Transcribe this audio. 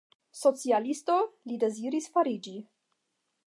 Socialisto li deziris fariĝi.